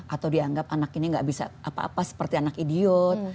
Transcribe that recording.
atau dianggap anak ini gak bisa apa apa seperti anak idiot